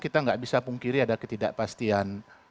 kita nggak bisa pungkiri ada ketidakpastian